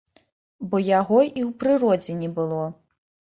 Бо яго і ў прыродзе не было.